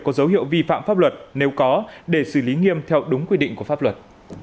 có dấu hiệu vi phạm pháp luật nếu có để xử lý nghiêm theo đúng quy định của pháp luật